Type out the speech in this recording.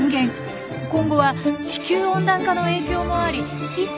今後は地球温暖化の影響もありいつ